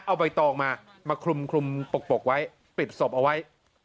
เอาใบตองมามาคลุมปกไว้ปิดศพเอาไว้